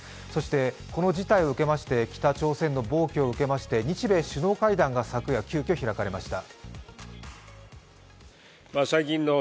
この事態を受けまして、北朝鮮の暴挙を受けまして日米首脳会談が昨夜、急きょ開かれました。